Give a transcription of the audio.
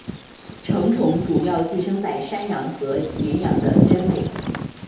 成虫主要寄生在山羊和绵羊的真胃。